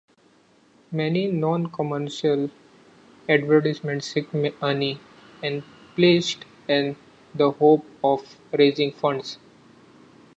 Many noncommercial advertisements seek money and placed in the hope of raising funds.